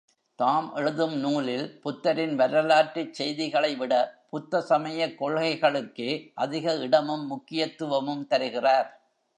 தாம் எழுதும் நூலில் புத்தரின் வரலாற்றுச் செய்திகளைவிட புத்த சமயக் கொள்கைகளுக்கே அதிக இடமும் முக்கியத்துவமும் தருகிறார்.